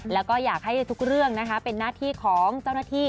แล้วก็อยากให้ทุกเรื่องนะคะเป็นหน้าที่ของเจ้าหน้าที่